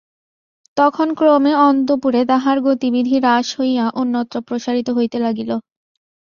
তখন ক্রমে অন্তঃপুরে তাহার গতিবিধি হ্রাস হইয়া অন্যত্র প্রসারিত হইতে লাগিল।